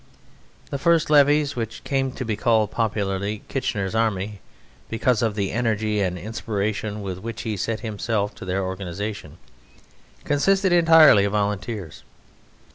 The first levies which came to be called popularly Kitchener's Army, because of the energy and inspiration with which he set himself to their organisation, consisted entirely of volunteers.